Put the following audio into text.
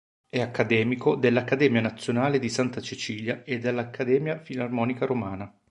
È Accademico dell'Accademia Nazionale di Santa Cecilia e dell'Accademia Filarmonica Romana.